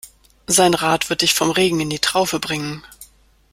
Sein Rat wird dich vom Regen in die Traufe bringen.